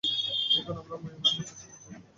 এখন আমরা মায়াবাদ বুঝিতে সমর্থ হইব।